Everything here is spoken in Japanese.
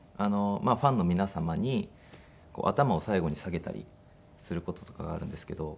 ファンの皆様に頭を最後に下げたりする事とかがあるんですけど。